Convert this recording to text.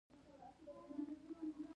څو لسیزې یې وظیفه سرته رسولې ده.